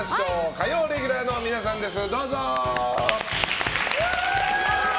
火曜レギュラーの皆さんです！